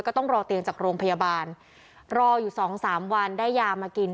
ก็ต้องรอเตียงจากโรงพยาบาลรออยู่สองสามวันได้ยามากิน